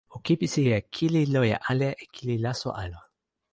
o kipisi e kili loje ale e kili laso ala.